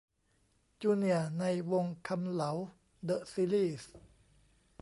'จูเนียร์' ใน 'วงษ์คำเหลา เดอะซีรี่ส์'